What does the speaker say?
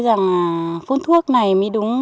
rằng phun thuốc này mới đúng